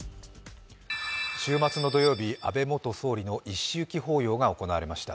週末の土曜日、安倍元総理の一周忌法要が行われました。